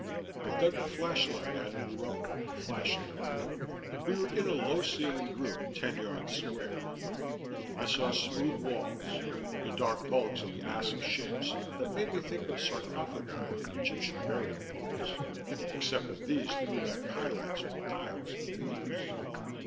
I dug the flashlight out of the rubble, flashed it around. We were in a low ceilinged room ten yards square. I saw smooth walls, the dark bulks of massive shapes that made me think of sarcophagi in Egyptian burial vaults except that these threw back highlights from dials and levers.